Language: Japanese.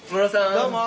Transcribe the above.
どうも。